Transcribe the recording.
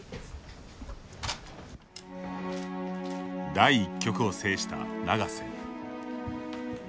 第１局を制した永瀬。